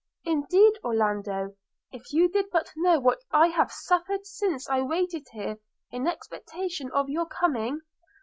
– Indeed, Orlando, if you did but know what I have suffered since I waited here in expectation of your coming!'